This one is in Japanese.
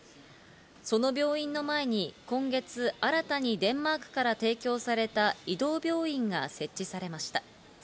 その病院の前に今月、新たにデンマークから提供された移動病院が設置されました。